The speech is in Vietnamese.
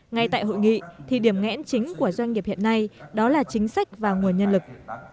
ngay tại hội nghị thì điểm nghẽn chính của doanh nghiệp hiện nay đó là chính sách và nguồn nhân lực